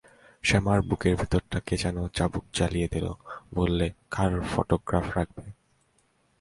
শ্যামার বুকের ভিতরটাতে কে যেন চাবুক চালিয়ে দিলে, বললে, কার ফোটোগ্রাফ রাখবে?